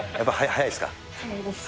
速いですか？